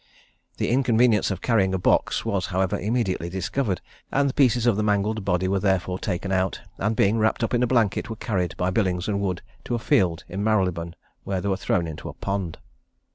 The inconvenience of carrying a box was, however, immediately discovered, and the pieces of the mangled body were therefore taken out, and, being wrapped up in a blanket, were carried by Billings and Wood to a field in Marylebone, and there thrown into a pond.